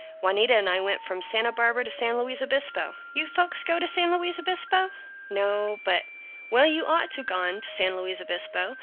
Juanita and I went from Santa Barbara to San Luis Obispo. You folks go to San Luis Obispo?" "No, but " "Well you ought to gone to San Luis Obispo.